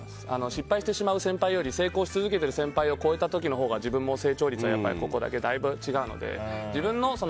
失敗してしまう先輩より成功し続けている先輩を超えた時のほうが自分の成長率もだいぶ違うので。